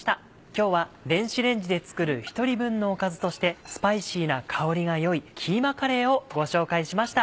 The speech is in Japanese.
今日は電子レンジで作る１人分のおかずとしてスパイシーな香りが良いキーマカレーをご紹介しました。